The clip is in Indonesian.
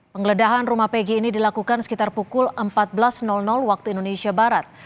penggeledahan rumah pg ini dilakukan sekitar pukul empat belas waktu indonesia barat